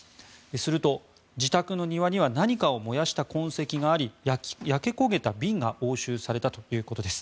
すると、自宅の庭には何かを燃やした痕跡があり焼け焦げた瓶が押収されたということです。